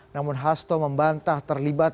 namun hasto membantah terlibat